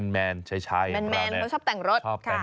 แมนใช้แมนเขาชอบแต่งรถ